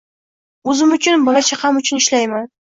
O‘zim uchun, bola-chaqam uchun ishlayman.